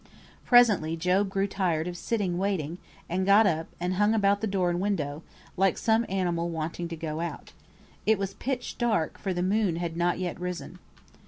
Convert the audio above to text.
Presently Job grew tired of sitting waiting, and got up, and hung about the door and window, like some animal wanting to go out. It was pitch dark, for the moon had not yet risen.